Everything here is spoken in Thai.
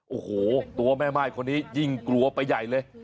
โอ้โหตัวแม่ม่ายคนนี้ยิ่งกลัวไปใหญ่เลย